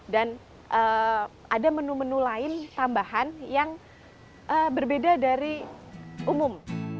dan ada menu menu lain tambahan yang berbeda dari umum